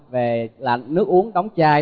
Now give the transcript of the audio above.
về là nước uống đóng chai